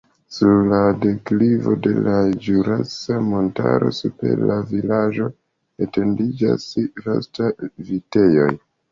Sur la deklivo de la Ĵurasa Montaro super la vilaĝo etendiĝas vastaj vitejoj.